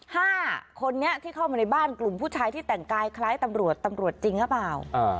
ห้าคนนี้ที่เข้ามาในบ้านกลุ่มผู้ชายที่แต่งกายคล้ายตำรวจตำรวจจริงหรือเปล่า